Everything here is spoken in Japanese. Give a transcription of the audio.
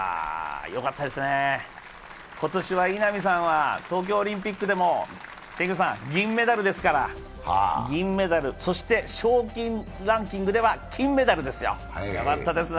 よかったですね、今年は稲見さんは東京オリンピックでも銀メダルですから、賞金ランキングでは金メダルですよ、よかったですね。